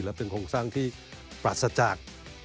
และเป็นโครงสร้างที่ปราศจาก